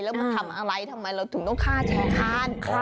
แล้วมันทำอะไรทำไมเราถึงต้องฆ่าแชร์คาน